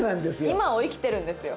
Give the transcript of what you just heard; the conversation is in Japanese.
今を生きてるんですよ。